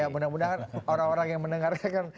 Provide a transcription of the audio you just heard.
ya mudah mudahan orang orang yang mendengarkan